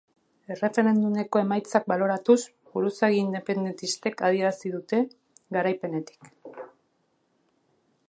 Erreferendumeko emaitzak baloratuz buruzagi independentistek adierazi dute, garaipenetik.